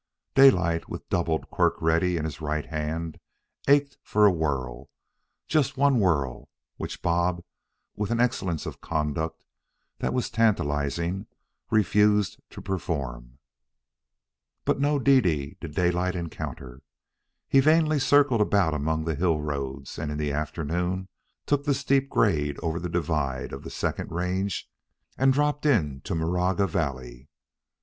Daylight, with doubled quirt ready in his right hand, ached for a whirl, just one whirl, which Bob, with an excellence of conduct that was tantalizing, refused to perform. But no Dede did Daylight encounter. He vainly circled about among the hill roads and in the afternoon took the steep grade over the divide of the second range and dropped into Maraga Valley.